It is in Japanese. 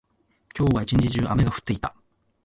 今日は一日中、雨が降っていた。